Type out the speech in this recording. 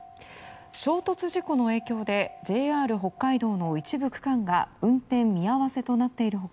衝突事故の影響でＪＲ北海道の一部区間が運転見合わせとなっている他